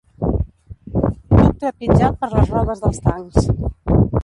Cuc trepitjat per les rodes dels tancs.